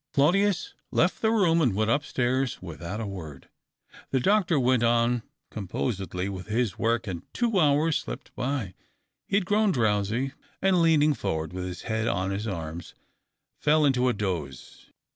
Claudius left the room, and went upstairs without a word. The doctor went on composedly with his work, and two hours slipped by. He had grown drowsy, and, leaning forward with his head on his arms, fell into a doze.